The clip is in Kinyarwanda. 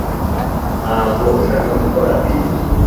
ntawe ushaka gukora ibyo